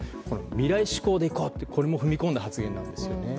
未来志向でいこうというこれも踏み込んだ発言なんですね。